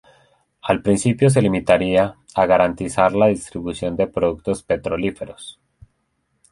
Al principio se limitaría a garantizar la distribución de productos petrolíferos.